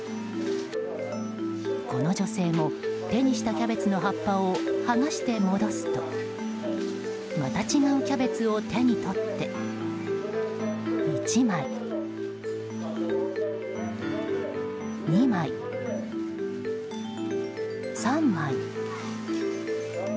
この女性も手にしたキャベツの葉っぱを剥がして戻すとまた違うキャベツを手に取って１枚、２枚、３枚、４枚。